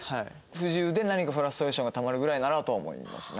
不自由で何かフラストレーションがたまるぐらいならとは思いますね。